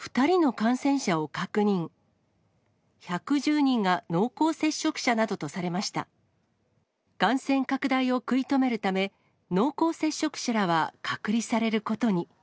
感染拡大を食い止めるため、濃厚接触者らは隔離されることに。